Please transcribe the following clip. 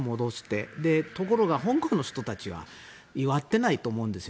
ところが香港の人たちは祝ってないと思うんです。